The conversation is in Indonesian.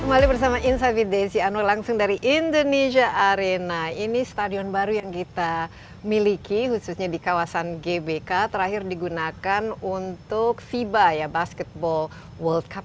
kembali bersama insight with desi anwar langsung dari indonesia arena ini stadion baru yang kita miliki khususnya di kawasan gbk terakhir digunakan untuk fiba ya basketball world cup